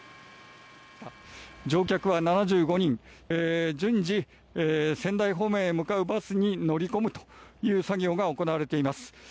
乗客は７５人、順次仙台方面に向かうバスに乗り込むという作業が行われています。